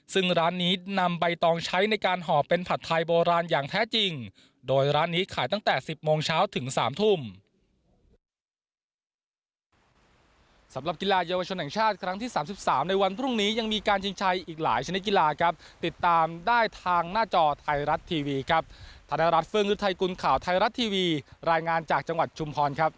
ซึ่งร้านนี้นำใบตองใช้ในการห่อเป็นผัดไทยโบราณอย่างแท้จริงโดยร้านนี้ขายตั้งแต่๑๐โมงเช้าถึง๓ทุ่ม